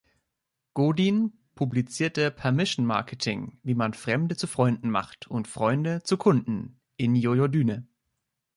Godin publizierte "Permission Marketing: Wie man Fremde zu Freunden macht und Freunde zu Kunden" in Yoyodyne.